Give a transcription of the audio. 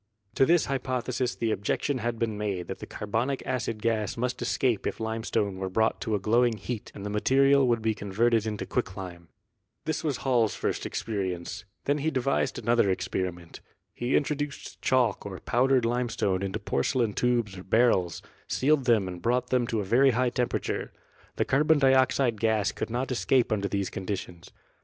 To this hypothesis the objection had been made that the carbonic acid gas must escape if limestone were brought to a glowing heat and the material would be con verted into quicklime. This was Hall's first experience; then he devised another experiment. He introduced chalk or powdered limestone into porcelain tubes or barrels, sealed them and brought them to a very high temperature. The carbon dioxide gas could not escape under these con ditions.